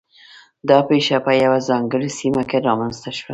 دا پېښه په یوه ځانګړې سیمه کې رامنځته شوه.